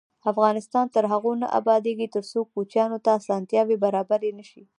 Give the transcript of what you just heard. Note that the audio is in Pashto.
افغانستان تر هغو نه ابادیږي، ترڅو کوچیانو ته اسانتیاوې برابرې نشي.